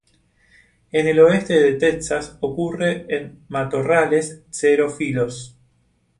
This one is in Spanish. En el oeste de Texas ocurre en matorrales xerófilos.